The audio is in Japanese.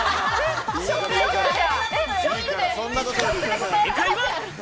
正解は。